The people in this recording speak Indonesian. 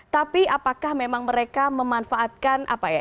tapi apakah memang mereka memanfaatkan apa ya